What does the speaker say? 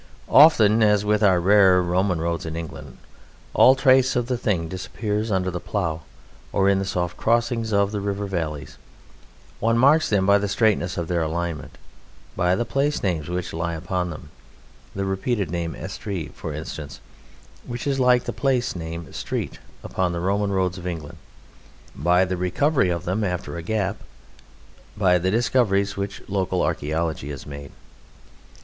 Often, as with our rarer Roman roads in England, all trace of the thing disappears under the plough or in the soft crossings of the river valleys; one marks them by the straightness of their alignment, by the place names which lie upon them (the repeated name Estree, for instance, which is like the place name "street" upon the Roman roads of England); by the recovery of them after a gap; by the discoveries which local archaeology has made.